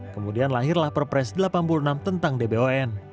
kemudian lahirlah perpres delapan puluh enam tentang dbon